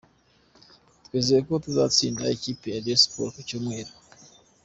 Twizeye ko tuzatsinda ikipe ya Rayon Sports ku Cyumweru.